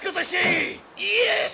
いいえ！